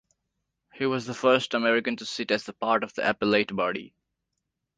He was the first American to sit as part of the Appellate Body.